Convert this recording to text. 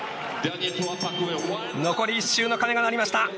残り１周の鐘が鳴りました。